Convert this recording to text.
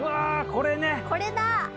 これだ！